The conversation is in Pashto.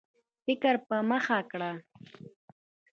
فکر په مخه کړ.